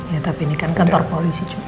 ya tapi ini kan kantor polisi juga